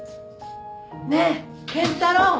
ねえ健太郎。